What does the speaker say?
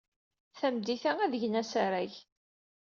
Tameddit-a, ad d-gen asarag.